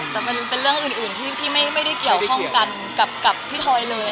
แต่มันเป็นเรื่องอื่นที่ไม่ได้เกี่ยวข้องกันกับพี่ทอยเลย